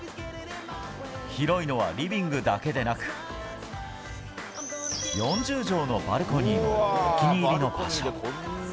広いのはリビングだけでなく、４０畳のバルコニーもお気に入りの場所。